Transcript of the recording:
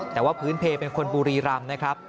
แต่ว่าพื้นเพลเป็นคนบุรีรำนะครับ